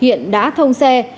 hiện đã thông xe